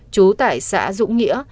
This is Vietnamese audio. chú tại xã dũng nghĩa